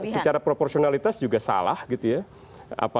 secara proporsionalitas juga salah gitu ya